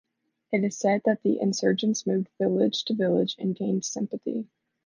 It is said that the insurgents moved village to village and gained sympathy.